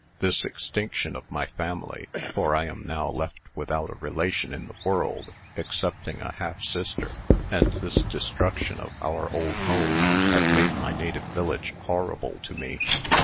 This extinction of my family for I am now left without a relation in the world, excepting a half sister and this destruction of our old home, have made my native village horrible to me.